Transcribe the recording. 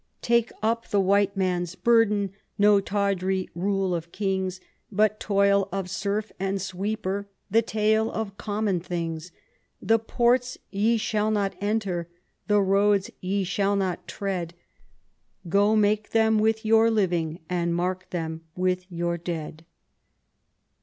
" Take up the white man's burden — No tawdry rule of kings. But toil of serf and sweeper — The tale of common things. The ports ye shall not enter. The roads ye shall not tread, Go make them with your living. And mark them with your dead."